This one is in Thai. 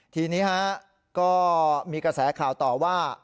ทีนี้ก็มีกระแสข่าวต่อว่า